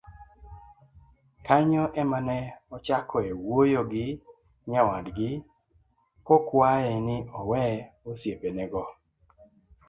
Kanyo ema ne ochakoe wuoyo gi nyawadgi, kokwaye ni owe osiepenego.